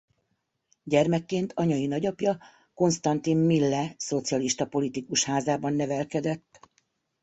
Gyermekként anyai nagyapja Constantin Mille szocialista politikus házában nevelkedett.